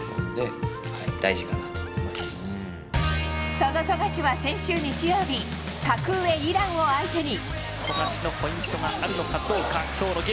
その富樫は先週日曜日格上イランを相手に。